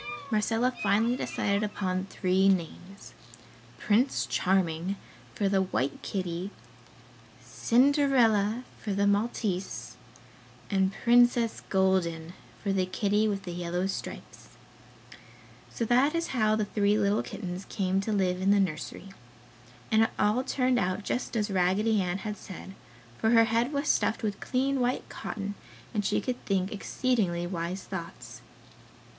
Marcella finally decided upon three names; Prince Charming for the white kitty, Cinderella for the Maltese and Princess Golden for the kitty with the yellow stripes. So that is how the three little kittens came to live in the nursery. And it all turned out just as Raggedy Ann had said, for her head was stuffed with clean white cotton, and she could think exceedingly wise thoughts.